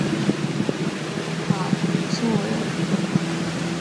아빠, 무서워요.